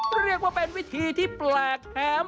เรียกว่าเป็นวิธีที่แปลกแถม